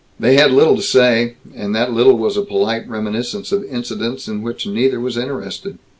They had little to say, and that little was a polite reminiscence of incidents in which neither was interested.